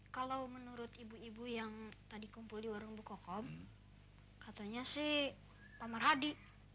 kalau menurut ibu ibu yang tadi kumpul di warung bukokom katanya sih pak marhadi